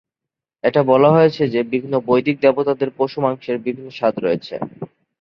এটা বলা হয়েছে যে বিভিন্ন বৈদিক দেবতাদের পশুর মাংসের বিভিন্ন স্বাদ রয়েছে।